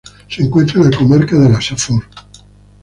Se encuentra en la comarca de la Safor.